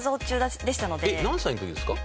何歳の時ですか？